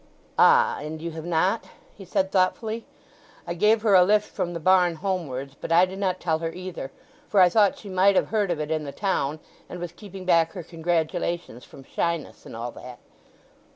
"Ah, and you have not?" he said thoughtfully. "I gave her a lift from the barn homewards; but I did not tell her either; for I thought she might have heard of it in the town, and was keeping back her congratulations from shyness, and all that."